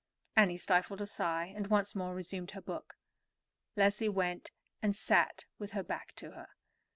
Annie stifled a sigh, and once more resumed her book. Leslie went and sat with her back to her.